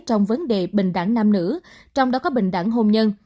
trong vấn đề bình đẳng nam nữ trong đó có bình đẳng hôn nhân